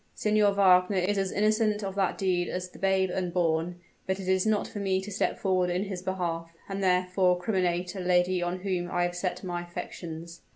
Signor Wagner is as innocent of that deed as the babe unborn; but it is not for me to step forward in his behalf, and thereby criminate a lady on whom I have set my affections."